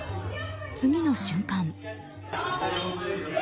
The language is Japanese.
次の瞬間。